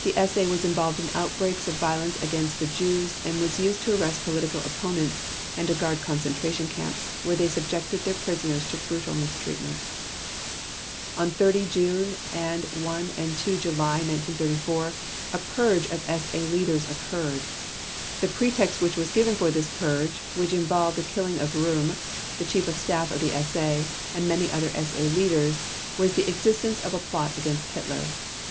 The SA was involved in outbreaks of violence against the Jews and was used to arrest political opponents and to guard concentration camps, where they subjected their prisoners to brutal mistreatment. On 30 June and 1 and 2 July 1934 a purge of SA leaders occurred. The pretext which was given for this purge, which involved the killing of Röhm, the Chief of Staff of the SA, and many other SA leaders, was the existence of a plot against Hitler.